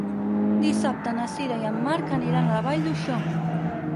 Dissabte na Sira i en Marc aniran a la Vall d'Uixó.